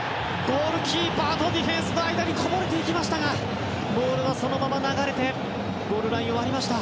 ゴールキーパーとディフェンスの間にこぼれていきましたがボールはそのまま流れてゴールラインを割りました。